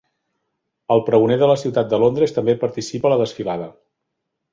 El pregoner de la ciutat de Londres també participa a la desfilada.